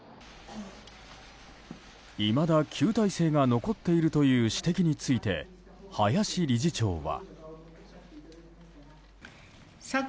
いまだ旧体制が残っているという指摘について林理事長は。